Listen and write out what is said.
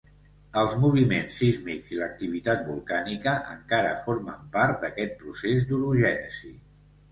Els moviments sísmics i l'activitat volcànica encara formen part d'aquest procés d'orogènesi.